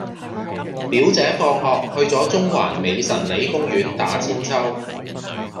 表姐放學去左中環美臣里公園打韆鞦